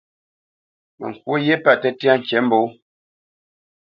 Mə kwǒ ghye pə̂ tə́tyá ŋkǐmbǒ.